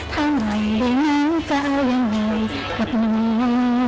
ถ้าไม่เหนื่อยจะเอายังไงกับมึง